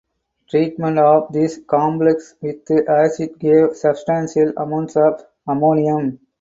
Treatment of this complex with acid gave substantial amounts of ammonium.